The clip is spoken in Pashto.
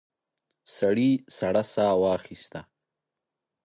سړي سړه ساه واخيسته.